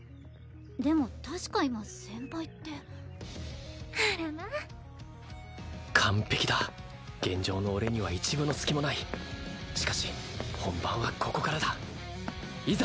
でも確か今「先輩」ってあらまあ完璧だ現状の俺には一分の隙もないしかし本番はここからだいざ